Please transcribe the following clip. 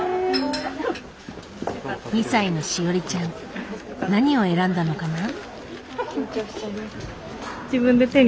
２歳のしおりちゃん何を選んだのかな？